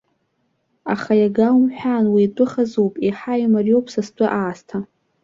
Аха, иага умҳәан, уи итәы хазуп, еиҳа имариоуп са стәы аасҭа.